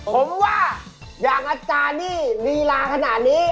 ผมว่าอย่างอาจารย์นี่ลีลาขนาดนี้